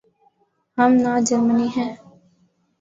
ہم نہ جرمنی ہیں۔